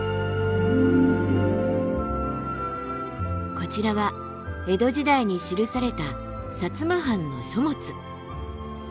こちらは江戸時代に記された薩摩藩の書物。